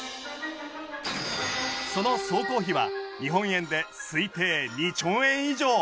その総工費は日本円で推定２兆円以上。